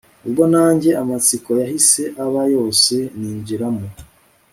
ubwo nanjye amatsiko yahise aba yose ninjiramo